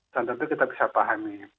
dan tentu kita bisa pahami